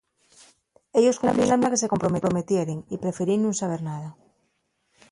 Ellos cumplíen la misión na que se comprometieren y preferíen nun saber nada.